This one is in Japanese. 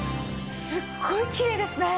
すっごいきれいですね。